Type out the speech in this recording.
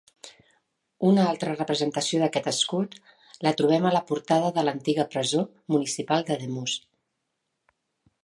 Una altra representació d'aquest escut la trobem a la portada de l'antiga Presó Municipal d'Ademús.